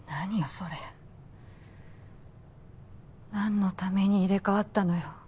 それ何のために入れ替わったのよ